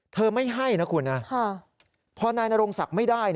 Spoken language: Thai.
ไม่ให้นะคุณนะพอนายนรงศักดิ์ไม่ได้